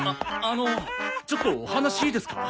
あのちょっとお話いいですか？